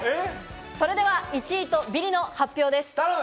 それでは１位とビリの発表です。